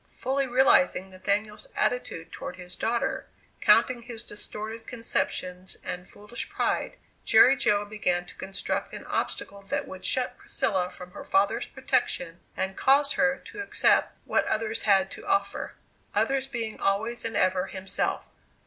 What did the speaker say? Fully realizing Nathaniel's attitude toward his daughter, counting his distorted conceptions and foolish pride, Jerry Jo began to construct an obstacle that would shut Priscilla from her father's protection and cause her to accept what others had to offer others, being always and ever, himself!